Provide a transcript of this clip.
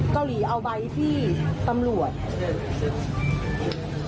เกาหลีเอาใบที่ตำรวจเชิญ